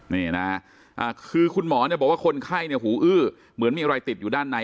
นี่นะคือคุณหมอเนี่ยบอกว่าคนไข้เนี่ยหูอื้อเหมือนมีอะไรติดอยู่ด้านใน